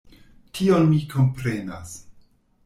Tion mi komprenas.